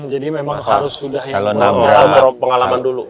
jadi memang harus sudah yang beropera pengalaman dulu